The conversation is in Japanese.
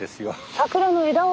桜の枝を？